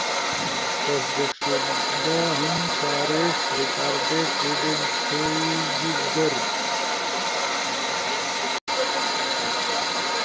تصدیق شدہم صارف ریکارڈیٹ ریڈنگ تھئی جیِب در